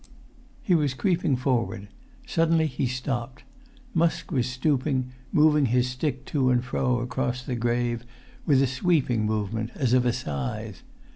He was creeping forward; suddenly he stopped. Musk was stooping, moving his stick to and fro across the grave, with a sweeping movement, as of a scythe.